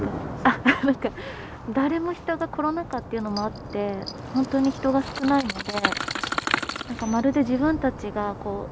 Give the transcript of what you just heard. あっなんか誰も人がコロナ禍っていうのもあってほんとに人が少ないので。